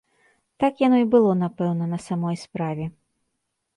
Так яно і было, напэўна, на самой справе.